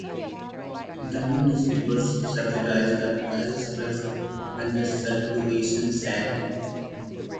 The new newspapers subsidised "The Irish Press" when its circulation sagged.